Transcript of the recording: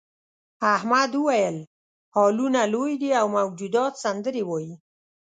احمد وویل هالونه لوی دي او موجودات سندرې وايي.